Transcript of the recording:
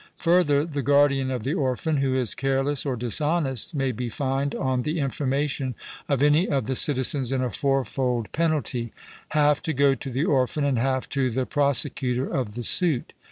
Further, the guardian of the orphan who is careless or dishonest may be fined on the information of any of the citizens in a fourfold penalty, half to go to the orphan and half to the prosecutor of the suit.